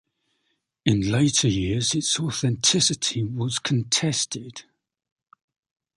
In later years its authenticity was contested.